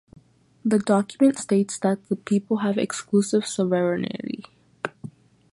The document states that the people have exclusive sovereignty.